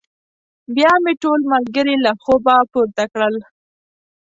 بيا مې ټول ملګري له خوبه پورته کړل.